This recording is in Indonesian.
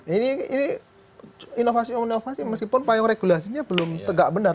ini inovasi inovasi meskipun payung regulasinya belum tegak benar